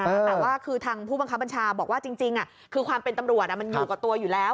แต่ว่าคือทางผู้บังคับบัญชาบอกว่าจริงคือความเป็นตำรวจมันอยู่กับตัวอยู่แล้ว